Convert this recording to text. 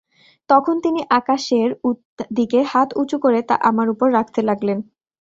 তখন তিনি আকাশের দিকে হাত উঁচু করে তা আমার উপর রাখতে লাগলেন।